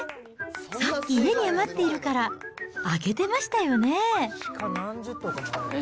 さっき家に余っているから、あげてましたよね？